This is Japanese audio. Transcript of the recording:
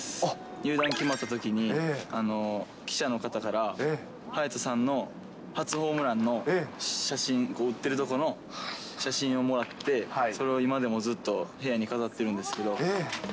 入団決まったときに、記者の方から勇人さんの初ホームランの写真、打ってるとこの写真をもらって、それを今でもずっと部屋に飾ってるんですけど。